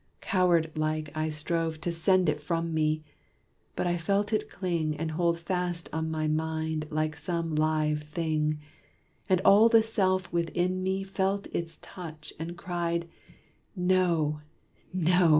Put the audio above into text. Coward like, I strove To send it from me; but I felt it cling And hold fast on my mind like some live thing; And all the Self within me felt its touch And cried, "No, no!